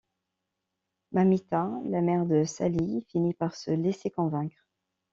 Mamita, la mère de Sali, finit par se laisser convaincre.